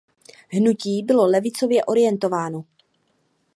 Hnutí bylo levicově orientováno.